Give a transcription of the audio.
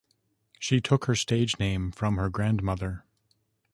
She took her stage name from her grandmother.